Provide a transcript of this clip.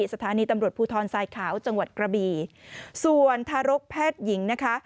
สถานีตำรวจภูทรทรายขาวจังหวัดกระบีส่วนทารกแพทย์หญิงนะคะ